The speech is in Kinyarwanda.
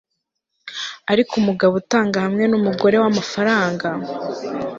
Ariko umugabo utanga hamwe numugore wamafaranga